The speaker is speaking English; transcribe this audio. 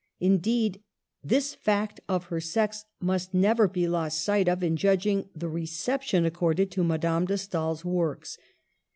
Indeed, this fact of her sex must never be lost sight of in judging the reception accorded to Madame de Stael's works.